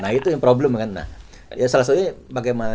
nah itu yang problem kan